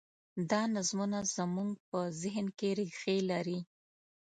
دا نظمونه زموږ په ذهن کې رېښې لري.